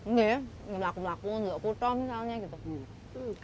iya melakukan tidak kutut misalnya gitu